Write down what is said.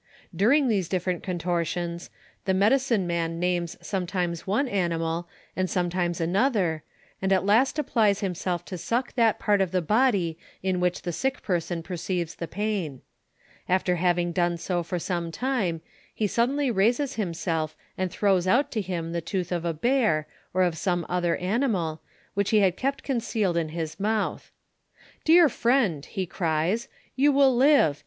During these different contortions, tlie medioiuo nian names sometimes one animal, and sometimes anotlier, and at last applies himself to suck tliat part of tlie body in which the sick person perceives the pain. After having done so for some time, he suddenly raises himself and tlirows out to him tlic tootli of a bear, or of some otlier animal, which he had kept concealed in his mouth. ' Dear friend,' he cries, 'you will live.